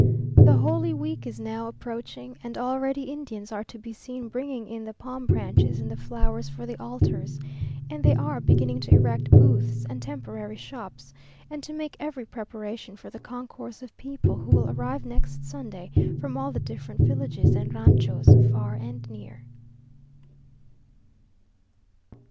The Holy Week is now approaching, and already Indians are to be seen bringing in the palm branches and the flowers for the altars, and they are beginning to erect booths and temporary shops, and to make every preparation for the concourse of people who will arrive next Sunday from all the different villages and ranchoes, far and near.